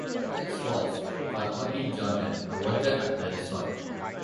Alex falls for "hottie" Jordan, a worker at the resort.